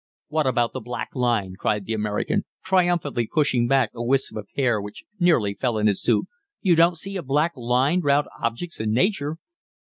"What about the black line?" cried the American, triumphantly pushing back a wisp of hair which nearly fell in his soup. "You don't see a black line round objects in nature."